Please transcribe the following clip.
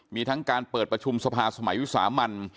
มีทั้งการเปิดประชุมสภาสมัยวิสามัน